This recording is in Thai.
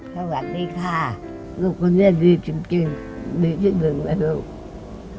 สวัสดีค่ะลูกคนนี้ดีจริงดีที่หนึ่งแล้วลูก